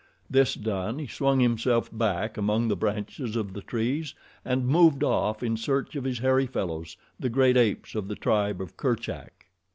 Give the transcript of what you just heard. This done, he swung himself back among the branches of the trees and moved off in search of his hairy fellows, the great apes of the tribe of Kerchak.